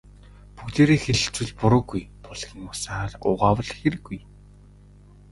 Бүгдээрээ хэлэлцвэл буруугүй, булгийн усаар угаавал хиргүй.